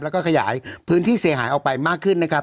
แล้วก็ขยายพื้นที่เสียหายออกไปมากขึ้นนะครับ